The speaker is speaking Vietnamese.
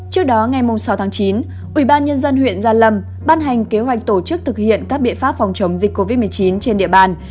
trước đó ngày sáu chín ủy ban nhân dân huyện gia lâm ban hành kế hoạch tổ chức thực hiện các biện pháp phòng chống dịch covid một mươi chín trên địa bàn